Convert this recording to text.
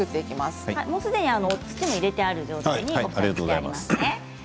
すでに土も入れてある状態にしてありますね。